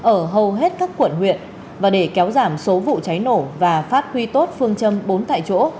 ở hầu hết các quận huyện và để kéo giảm số vụ cháy nổ và phát huy tốt phương châm bốn tại chỗ